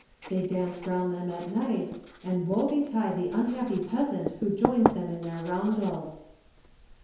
They dance around them at night, and woe betide the unhappy peasant who joins them in their roundels.